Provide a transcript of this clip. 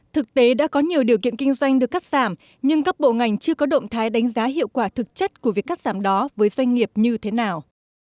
thực tế đã có nhiều điều kiện kinh doanh được cắt giảm nhưng các bộ ngành chưa có động thái đánh giá hiệu quả thực chất của việc cắt giảm đó với doanh nghiệp như thế nào